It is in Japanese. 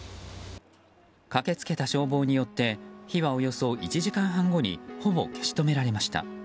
駆けつけた消防によって火はおよそ１時間半後にほぼ消し止められました。